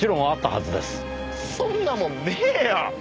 そんなもんねえよ！